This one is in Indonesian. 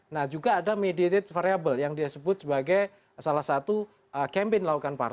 nah juga ada mediated variable yang dia sebut sebagai salah satu campaign